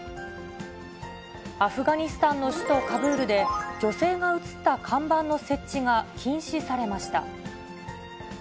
アフガニスタンの首都カブールで、女性が写った看板の設置が禁止されました。